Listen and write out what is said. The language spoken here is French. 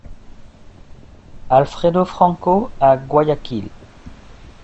Alfredo Franco à Guayaquil.